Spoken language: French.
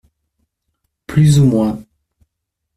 Plus ou moins.